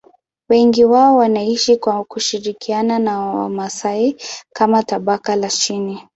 Wengi wao wanaishi kwa kushirikiana na Wamasai kama tabaka la chini.